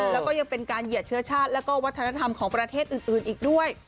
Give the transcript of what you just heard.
แล้วก็ยังเป็นการเหยียดเชื้อชาติแล้วก็วัฒนธรรมของประเทศอื่นอีกด้วย